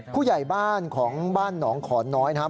ผู้ใหญ่บ้านของบ้านหนองขอนน้อยนะครับ